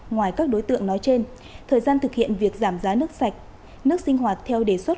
ngoài các đối tượng nói trên thời gian thực hiện việc giảm giá nước sạch nước sinh hoạt theo đề xuất